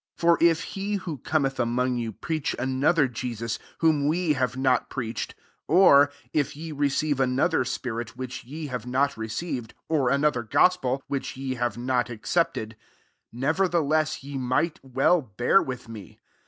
4 For if he who cometh among you, preach another Je sus, whom wc have not preach ed, or (f ye receive another spirit, which ye have not re ceived, or another gospel, ivhich ye have not accepted, neverthelesa ye might well bear with me.